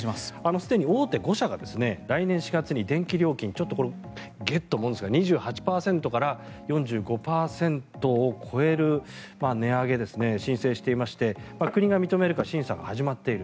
すでに大手５社が来年夏に電気料金２８％から４５％を超える値上げ申請していまして、国が認めるか審査が始まっている。